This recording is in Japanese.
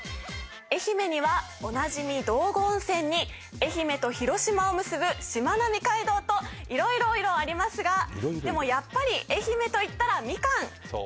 愛媛にはおなじみ道後温泉に愛媛と広島を結ぶしまなみ海道と色々いろありますが色々いろでもやっぱり愛媛といったらみかん！